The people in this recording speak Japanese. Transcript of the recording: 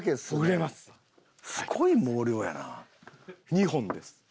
２本です。